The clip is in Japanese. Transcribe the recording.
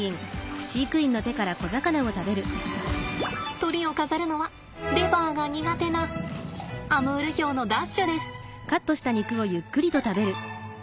トリを飾るのはレバーが苦手なアムールヒョウのダッシュです。